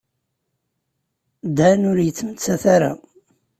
Dan ur yettmettat ara.